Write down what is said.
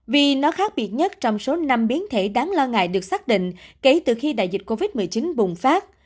vì nó khác biệt nhất trong số năm biến thể đáng lo ngại được xác định kể từ khi đại dịch covid một mươi chín bùng phát